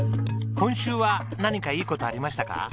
今週は何かいい事ありましたか？